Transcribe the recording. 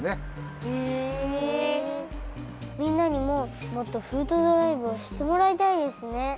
みんなにももっとフードドライブをしってもらいたいですね。